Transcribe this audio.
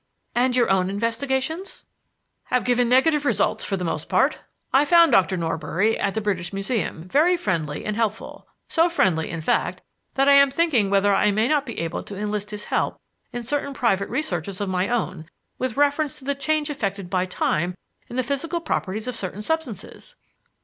"And your own investigations?" "Have given negative results for the most part. I found Doctor Norbury, at the British Museum, very friendly and helpful; so friendly, in fact, that I am thinking whether I may not be able to enlist his help in certain private researches of my own, with reference to the change effected by time in the physical properties of certain substances."